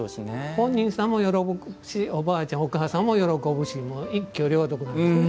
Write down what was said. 本人さんも喜ぶしおばあちゃん、お母さんも喜ぶし一挙両得なんですね。